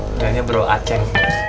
jangannya bro a ceng